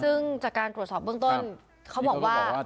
ซึ่งจากการตรวจสอบเบื้องต้นเขาบอกว่า